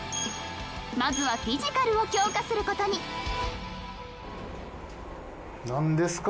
まずはフィジカルを強化する事になんですか？